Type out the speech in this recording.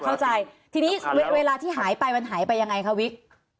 เข้าใจทีนี้เวลาที่หายไปมันหายไปยังไงคะวิก